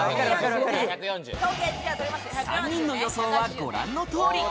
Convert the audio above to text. ３人の予想はご覧の通り。